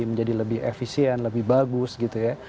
menjadi lebih efisien lebih bagus gitu ya